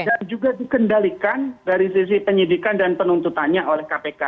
dan juga dikendalikan dari sisi penyidikan dan penuntutannya oleh kpk